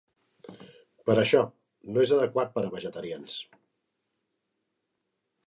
Per això, no és adequat per a vegetarians.